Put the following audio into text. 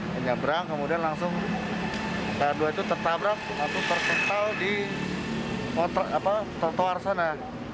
menyebrang kemudian langsung pkr dua itu tertabrak atau terpental di trotoar sana